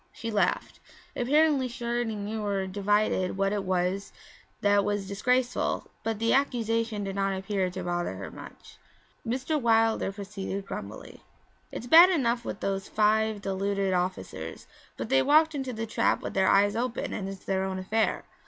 She laughed. Apparently she already knew or divined what it was that was disgraceful, but the accusation did not appear to bother her much. Mr. Wilder proceeded grumblingly. 'It's bad enough with those five deluded officers, but they walked into the trap with their eyes open and it's their own affair.